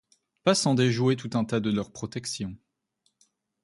Pas sans déjouer tout un tas de leurs protections.